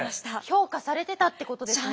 評価されてたってことですね！